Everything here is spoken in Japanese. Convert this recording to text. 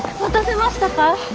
待たせましたか？